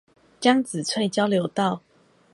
江子翠交流道